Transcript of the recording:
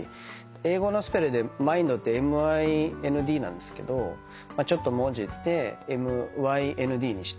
英語のスペルで「ＭＩＮＤ」ってＭＩＮＤなんですけどちょっともじってＭＹＮＤにして。